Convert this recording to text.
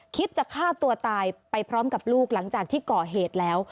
คิดจะฆ่าตัวตายไปพร้อมกับลูกหลังจากที่ก่อเหตุแล้ว